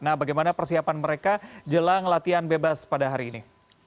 kasihan mereka jelang latihan bebas pada hari ini